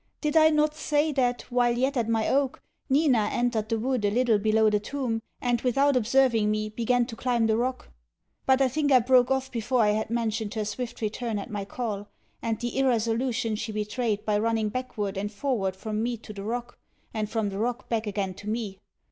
Did I not say, that, while yet at my oak, Nina entered the wood a little below the tomb and without observing me began to climb the rock? But I think I broke off before I had mentioned her swift return at my call, and the irresolution she betrayed by running backward and forward from me to the rock, and from the rock back again to me.